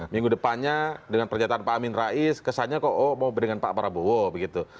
minggu depannya dengan pernyataan pak amin rais kesannya kok oh mau dengan pak prabowo begitu